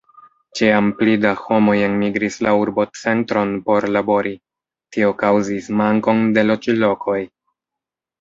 Ĉiam pli da homoj enmigris la urbocentron por labori; tio kaŭzis mankon de loĝlokoj.